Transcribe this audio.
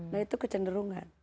nah itu kecenderungan